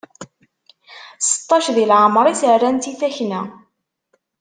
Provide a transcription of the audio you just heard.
Seṭṭac di leɛmer-is, rran-tt i takna!